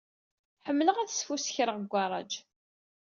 Ḥemmleɣ ad sfuskreɣ deg ugaṛaj.